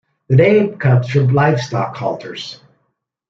The name comes from livestock halters.